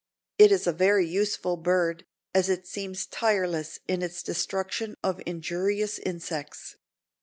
It is a very useful bird, as it seems tireless in its destruction of injurious insects.